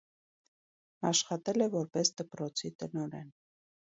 Աշխատել է որպես դպրոցի տնօրեն։